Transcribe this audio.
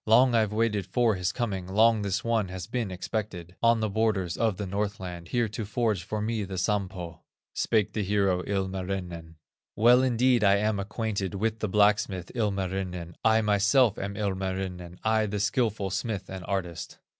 Long I've waited for his coming, Long this one has been expected, On the borders of the Northland, Here to forge for me the Sampo." Spake the hero, Ilmarinen: "Well indeed am I acquainted With the blacksmith, Ilmarinen, I myself am Ilmarinen, I, the skilful smith and artist."